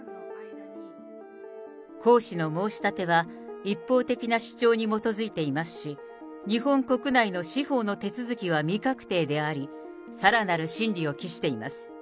江氏の申し立ては、一方的な主張に基づいていますし、日本国内の司法の手続きは未確定であり、さらなる審理を期しています。